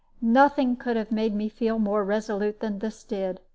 Nothing could have made me feel more resolute than this did.